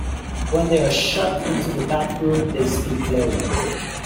When they are shut into the back room, they speak low.